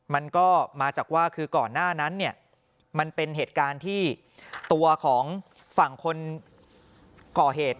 มันก็มาจากว่าคือก่อนหน้านั้นเนี่ยมันเป็นเหตุการณ์ที่ตัวของฝั่งคนก่อเหตุ